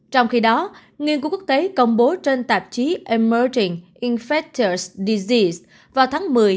trong khi đó nghiên cứu quốc tế công bố trên tạp chí emerging infectious diseases vào tháng một mươi